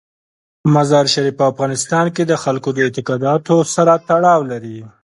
مزارشریف په افغانستان کې د خلکو له اعتقاداتو سره تړاو لري.